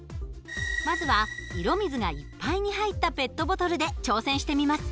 まずは色水がいっぱいに入ったペットボトルで挑戦してみます。